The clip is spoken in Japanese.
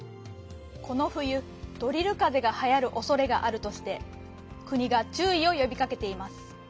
このふゆドリルかぜがはやるおそれがあるとしてくにがちゅういをよびかけています。